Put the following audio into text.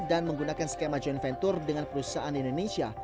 dan menggunakan skema joint venture dengan perusahaan di indonesia